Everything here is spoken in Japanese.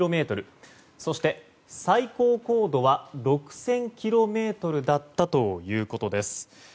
そして最高高度は６０００ｋｍだったということです。